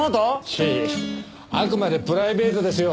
いえいえあくまでプライベートですよ。